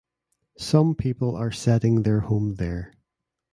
Some people are setting their home there.